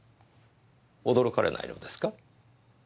驚かれないのですか？